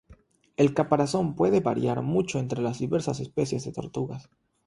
El caparazón puede variar mucho entre las diversas especies de tortugas.